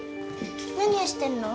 何をしてるの？